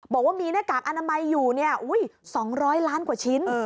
บอกว่ามีหน้ากากอนามัยอยู่๒๐๐ล้านกว่าชิ้น